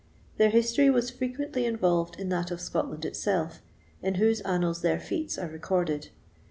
Their history was frequently involved in that of Scotland itself, in whose annals their feats are recorded.